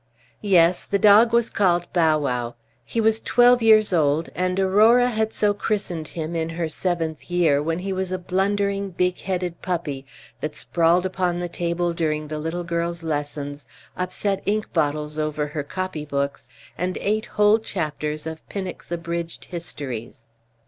"Yes, the dog was called Bow wow. He was twelve years old, and Aurora had so christened him in her seventh year, when he was a blundering, big headed puppy, that sprawled upon the table during the little girl's lessons, upset ink bottles over her copy books, and ate whole chapters of Pinnock's abridged histories.